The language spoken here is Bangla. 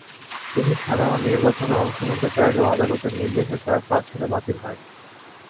তিনি সাধারণ নির্বাচনে অংশ নিতে চাইলেও আদালতের নির্দেশে তাঁর প্রার্থিতা বাতিল হয়।